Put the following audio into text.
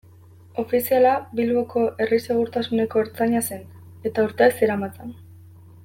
Ofiziala Bilboko herri-segurtasuneko ertzaina zen, eta urteak zeramatzan.